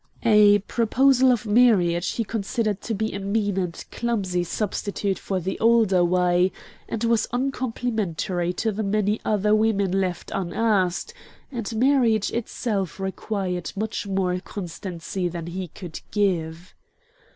A proposal of marriage he considered to be a mean and clumsy substitute for the older way, and was uncomplimentary to the many other women left unasked, and marriage itself required much more constancy than he could give.